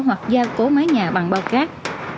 hoặc giao cổ mái nhà bằng bao cát